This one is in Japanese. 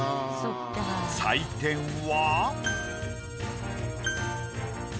採点は？